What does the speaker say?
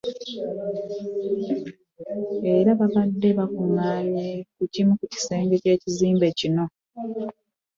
Era baabadde bakuŋŋngaanye ku kimu ku bisenge by'ekizimbe kino